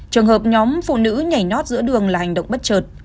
trường hợp nhóm phụ nữ nhảy nót giữa đường là hành động bất trợt